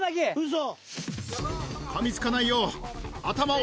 嘘！？